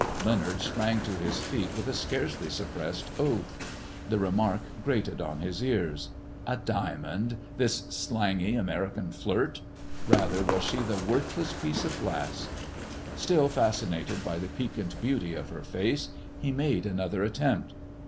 Leonard sprang to his feet with a scarcely suppressed oath. The remark grated on his ears. A diamond ! this slangy American flirt — ^rather was she the worthless piece of glass I Still fascinated by the piquant beauty of her face, he made another attempt.